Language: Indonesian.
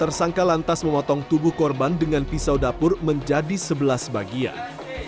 tersangka lantas memotong tubuh korban dengan pisau dapur menjadi sebelas bagian